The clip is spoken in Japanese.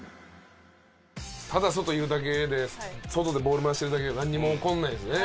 ただ外いるだけで外でボール回してるだけではなんにも起こらないんですね。